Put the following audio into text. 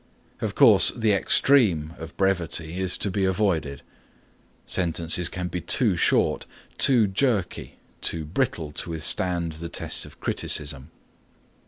Of course the extreme of brevity is to be avoided. Sentences can be too short, too jerky, too brittle to withstand the test of criticism.